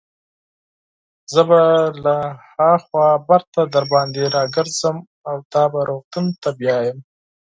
زه به له هاخوا بیرته درباندې راګرځم او تا به روغتون ته بوزم.